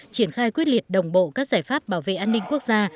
triển khai quyết liệt đồng bộ các giải pháp bảo vệ an ninh quốc gia